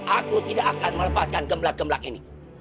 aku tidak akan melepaskan gemblak gemblak ini